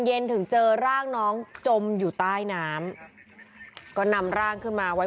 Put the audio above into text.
เย็นถึงเจอร่างน้องจมอยู่ใต้น้ำก็นำร่างขึ้นมาไว้